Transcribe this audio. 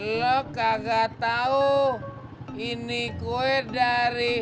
lo kagak tau ini kue dari